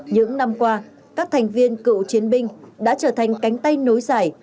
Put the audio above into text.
những năm qua các thành viên cựu chiến binh đã trở thành cánh tay nối dài